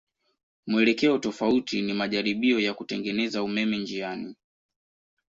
Mwelekeo tofauti ni majaribio ya kutengeneza umeme njiani.